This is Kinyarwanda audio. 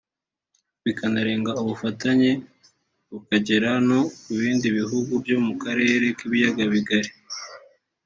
bikanarenga ubufatanye bukagera no ku bindi bihugu byo mu karere k’ibiyaga bigari